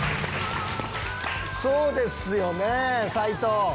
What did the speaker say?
そうですよね斉藤。